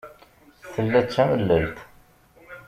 Tella d tamellalt.